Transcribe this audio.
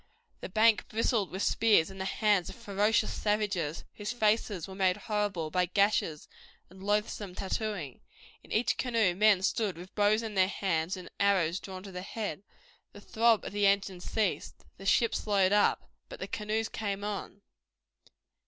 The bank bristled with spears in the hands of ferocious savages, whose faces were made horrible by gashes and loathsome tattooing. In each canoe men stood with bows in their hands and arrows drawn to the head. The throb of the engines ceased. The ship slowed up. But the canoes came on.